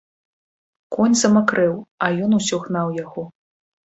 Конь замакрэў, а ён усё гнаў яго.